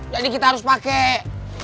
jadi kita harus pakai